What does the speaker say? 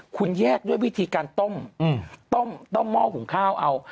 คุณแยกด้วยวิธีการต้มต้มหม้อหุงข้าวเอา